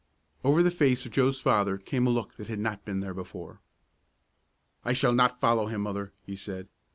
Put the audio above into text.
Over the face of Joe's father came a look that had not been there before. "I shall not follow him, Mother," he said.